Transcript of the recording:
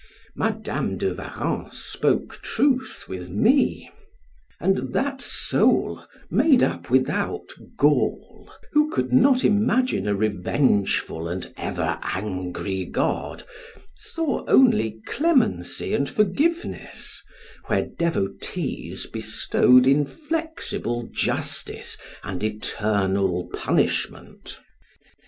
Madam de Warrens spoke truth with me, and that soul, made up without gall, who could not imagine a revengeful and ever angry God, saw only clemency and forgiveness, where devotees bestowed inflexible justice, and eternal punishment.